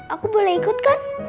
aku boleh ikut kan